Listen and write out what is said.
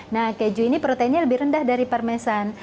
nah keju ini proteinnya lebih rendah dari parmesan